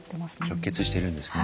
直結してるんですね。